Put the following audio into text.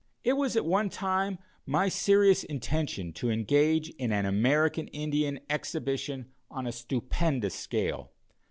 It was at one time my serious intention to engage in an American Indian Exhibition on a stupendous scale.